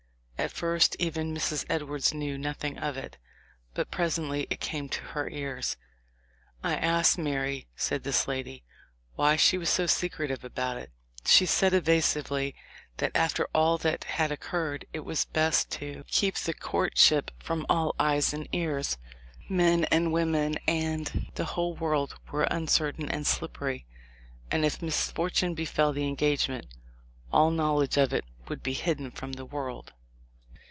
At first even Mrs. Edwards knew nothing of it, but presently it came to her ears. "I asked Mary," said this lady, "why she was so secretive about it. She said evasively that after all that had occurred, it was best to keep the courtship from all eyes and ears. Men and women and the whole world were uncertain and slippery, and if misfortune befell the engagement all knowledge of it would be hidden from the world."